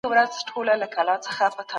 خواړه باید د اړتیا سره برابر وي.